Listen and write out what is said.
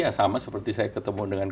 ya sama seperti saya ketemu dengan